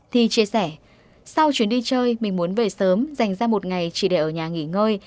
thì chia sẻ sau chuyến đi chơi mình muốn về sớm dành ra một ngày chỉ để ở nhà nghỉ ngơi